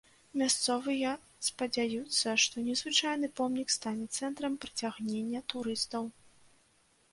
Мясцовыя спадзяюцца, што незвычайны помнік стане цэнтрам прыцягнення турыстаў.